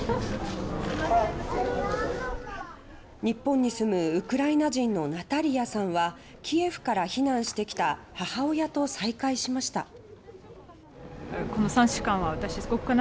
日本に住むウクライナ人のナタリヤさんはキエフから避難してきた母親と再会しました。